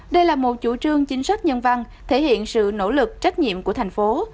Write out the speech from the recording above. đây là một chủ trương chính sách nhân văn thể hiện sự nỗ lực trách nhiệm của thành phố